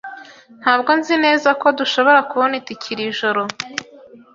Ntabwo nzi neza ko dushobora kubona itike iri joro.